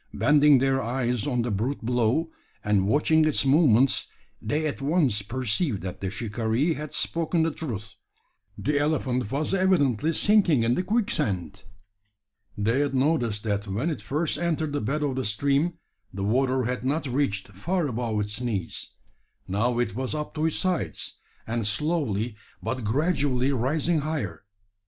Bending their eyes on the brute below, and watching its movements, they at once perceived that the shikaree had spoken the truth. The elephant was evidently sinking in the quicksand! They had noticed that when it first entered the bed of the stream, the water had not reached far above its knees. Now it was up to its sides, and slowly but gradually rising higher.